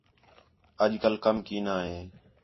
اَڄ کل کَم کینا ہِے